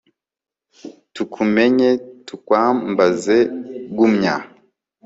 tukumenye, tukwambaze, gumya